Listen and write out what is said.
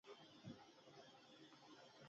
بزګان د افغانستان د جغرافیې یوه ښه بېلګه ده.